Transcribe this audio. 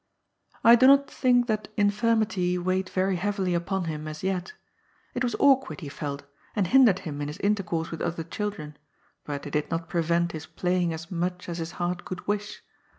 I do not think that infirmity weighed very heavily upon him as yet. It was awkward, he felt, and hindered him in his intercourse with other children ; but it did not prevent his playing as much a^ his heart could wish.